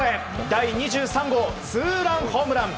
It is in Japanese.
第２３号ツーランホームラン。